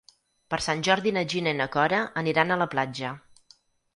Per Sant Jordi na Gina i na Cora aniran a la platja.